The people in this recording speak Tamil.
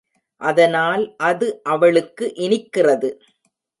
அதனால் அது அவளுக்கு இனிக்கிறது.